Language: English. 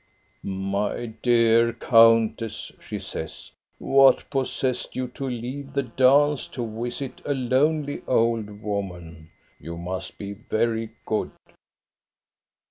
" My dear countess,*' she says, " what possessed you to leave the dance to visit a lonely old woman? You must be very good.'